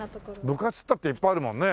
部活っていったっていっぱいあるもんね。